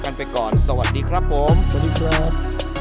กันไปก่อนสวัสดีครับผมสวัสดีครับ